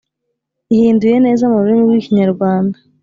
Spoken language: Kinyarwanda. ihinduye neza mu rurimi rw Ikinyarwanda